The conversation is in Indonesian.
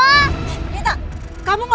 sayangnya tidak kekurangan